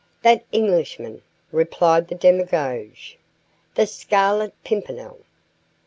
"That Englishman," replied the demagogue, "the Scarlet Pimpernel!"